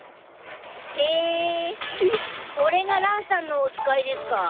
へぇこれが蘭さんのお使いですか。